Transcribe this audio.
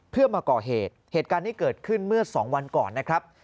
เพื่อมาก่อเหตุเหตุการณ์นี้เกิดขึ้นเมื่อสองวันก่อนนะครับ